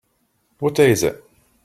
What day is it?